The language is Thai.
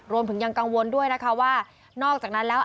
รวมถึงยังกังวลด้วยนะคะว่านอกจากนั้นแล้ว